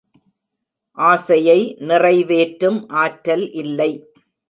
ஆசையை நிறைவேற்றும் ஆற்றல் இல்லை.